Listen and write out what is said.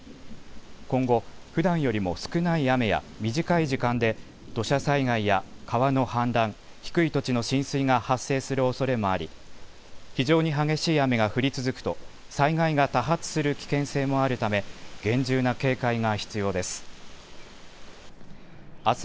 今後、ふだんよりも少ない雨や短い時間で、土砂災害や川の氾濫、低い土地の浸水が発生するおそれもあり、非常に激しい雨が降り続くと、災害が多発する危険性もあるため、厳重な警戒が必要です。